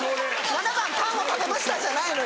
７番パンを食べました！」じゃないのよ。